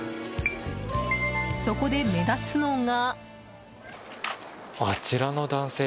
そこで目立つのが。